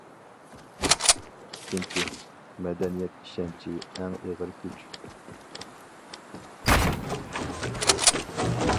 ئىككىنچى، مەدەنىيەت ئىشەنچى ئەڭ ئېغىر كۈچ.